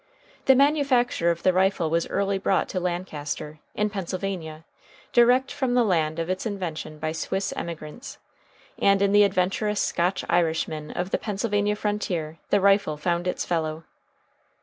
The manufacture of the rifle was early brought to Lancaster, in Pennsylvania, direct from the land of its invention by Swiss emigrants, and in the adventurous Scotch Irishman of the Pennsylvania frontier the rifle found its fellow.